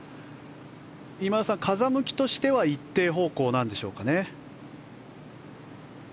今田さん、風向きとしては一定方向なんでしょうか。